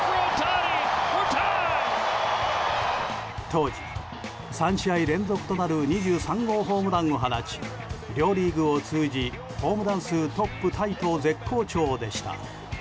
当時、３試合連続となる２３号ホームランを放ち両リーグを通じホームラン数トップタイと絶好調でした。